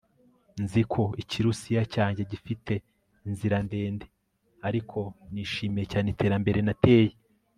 Nzi ko Ikirusiya cyanjye kigifite inzira ndende ariko nishimiye cyane iterambere nateye